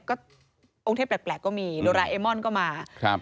ก็องค์เทพแปลกก็มีโดราเอมอนก็มาครับ